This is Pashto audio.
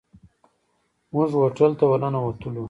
موږ هوټل ته ورننوتلو.